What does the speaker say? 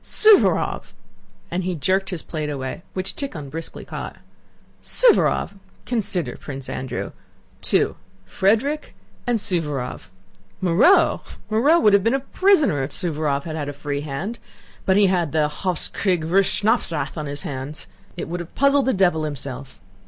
"Suvórov!" And he jerked away his plate, which Tíkhon briskly caught. "Suvórov!... Consider, Prince Andrew. Two... Frederick and Suvórov; Moreau!... Moreau would have been a prisoner if Suvórov had had a free hand; but he had the Hofs kriegs wurst schnapps Rath on his hands. It would have puzzled the devil himself!